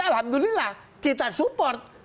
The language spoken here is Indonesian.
alhamdulillah kita support